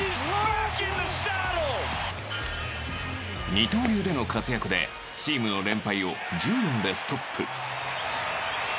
二刀流での活躍でチームの連敗を１４でストップ。